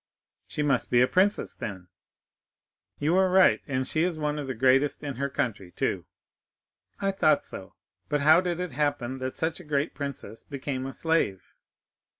"She must be a princess then." "You are right; and she is one of the greatest in her country too." "I thought so. But how did it happen that such a great princess became a slave?"